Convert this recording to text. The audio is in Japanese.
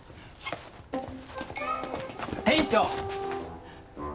店長！